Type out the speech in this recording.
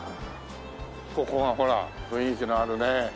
ここがほら雰囲気のあるね。